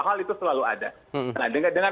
hal itu selalu ada nah dengan